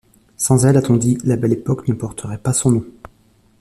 Sans elles, a-t-on dit, la Belle Époque ne porterait pas son nom.